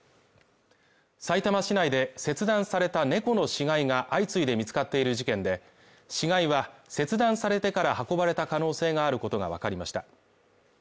さいたま市内で切断された猫の死骸が相次いで見つかっている事件で、死骸は切断されてから運ばれた可能性があることがわかりました。